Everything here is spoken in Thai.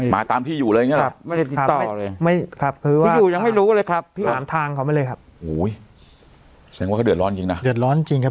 มาตามพี่อยู่เลยอย่างเงี้ยแหละไม่ได้ติดต่อเลยไม่ครับคือว่าพี่อยู่ยังไม่รู้เลยครับ